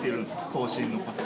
行進のこと。